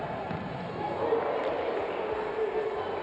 สวัสดีทุกคน